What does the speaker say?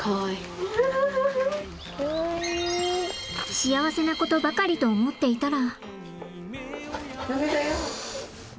幸せなことばかりと思っていたら。